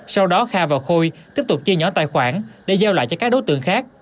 sau đó kha và khôi tiếp tục chia nhỏ tài khoản để giao lại cho các đối tượng khác